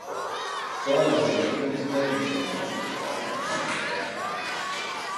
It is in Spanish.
Todas las subregiones pueden experimentar considerables variaciones de año a año.